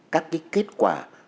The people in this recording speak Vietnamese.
các kết quả